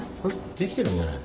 できてるんじゃない。